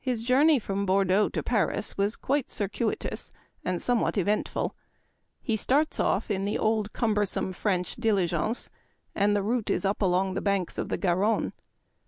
His journey from Bordeaux to Paris was quite circuitous, and somewhat eventful. He | starts off in the old, cumbersome French " dili gence," and the route is up along the banks of the Garonne.